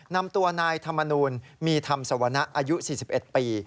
นำตัวนายธรรมนูลมีธรรมสวนะอายุ๔๑ปี